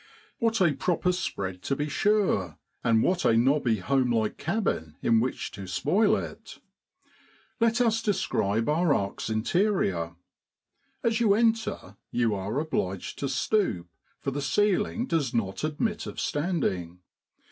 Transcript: What a proper spread to be sure, and what a nobby home like cabin in which to spoil it ! Let us describe our ark's interior. As you enter you are obliged to stoop, for the ceiling does not admit of standing.